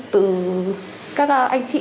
từ các anh chị